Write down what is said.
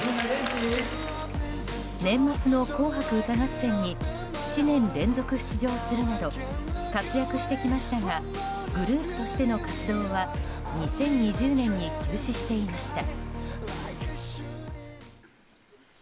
年末の「紅白歌合戦」に７年連続出場するなど活躍してきましたがグループとしての活動は２０２０年に休止していました。